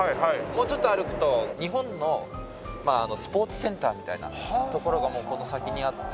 もうちょっと歩くと日本のスポーツセンターみたいな所がこの先にあって。